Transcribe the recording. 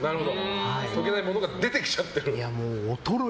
解けないものが出てきちゃってる。